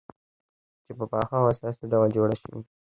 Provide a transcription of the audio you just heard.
چې په پاخه او اساسي ډول جوړه شوې،